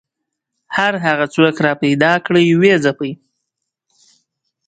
هر هغه څوک راپیدا کړي ویې ځپي